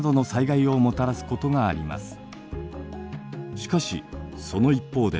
しかしその一方で